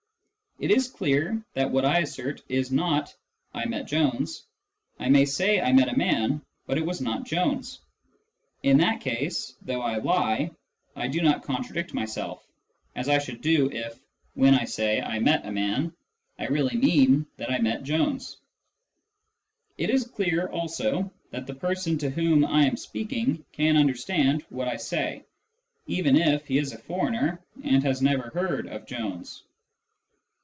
It is clear that what I assert is not " I met Jones." I may say " I met a man, but it was not Jones "; in that case, though I lie, I do not contradict myself, as I should do if when I say I met a 167 1 68 Introduction to Mathematical Philosophy man I really mean that I met Jones. It is clear also that the person to whom I am speaking can understand what I say, even if he is a foreigner and has never heard of Jones.